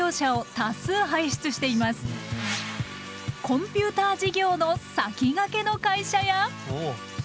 コンピューター事業の先駆けの会社や。